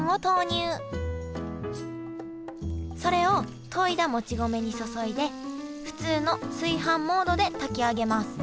それをといだもち米に注いで普通の炊飯モードで炊き上げます